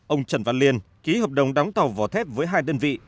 ông trần văn liên ký hợp đồng đóng tàu vỏ thép với hai đơn vị